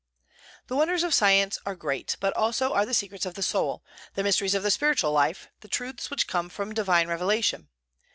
The wonders of science are great, but so also are the secrets of the soul, the mysteries of the spiritual life, the truths which come from divine revelation.